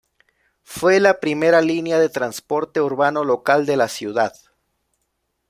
Fue la primera línea de transporte urbano local de la ciudad.